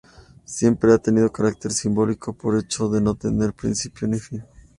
Siempre ha tenido carácter simbólico por el hecho de no tener principio ni fin.